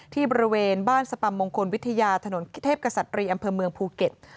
บริเวณบ้านสปัมมงคลวิทยาถนนกิเทพกษัตรีอำเภอเมืองภูเก็ต